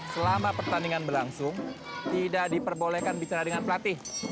selama pertandingan berlangsung tidak diperbolehkan bicara dengan pelatih